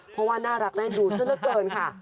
เพราะว่าน่ารักได้ดูเส้นละเกินค่ะ